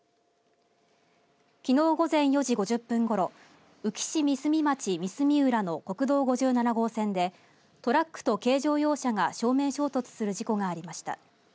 きのう午前４時５０分ごろ宇城市三角町三角浦の国道５７号線でトラックと軽乗用車が正面衝突する事故がありました。